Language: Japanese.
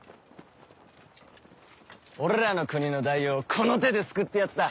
俺らの国の大王をこの手で救ってやった。